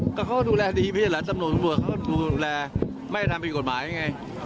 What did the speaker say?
ก็เขาก็ดูแลดีพิจารณสำนวนบวกเขาก็ดูแลไม่ได้ทำผิดกฎหมายยังไง